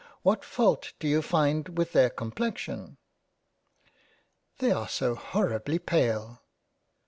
What fault do you find with their complexion ?"" They are so horridly pale."